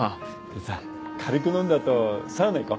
でさ軽く飲んだ後サウナ行こ？